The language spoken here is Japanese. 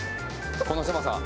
この狭さ。